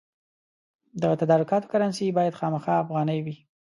د تدارکاتو کرنسي باید خامخا افغانۍ وي.